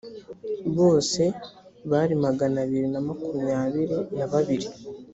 bose bari magana abiri na makumyabiri na babiri